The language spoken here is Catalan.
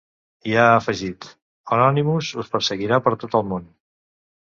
I ha afegit: Anonymous us perseguirà per tot el món.